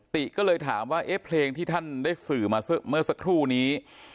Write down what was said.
ติก็เลยถามว่าเอ๊ะเพลงที่ท่านได้สื่อมาเมื่อสักครู่นี้